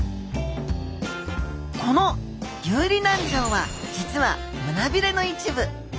この遊離軟条は実は胸びれの一部。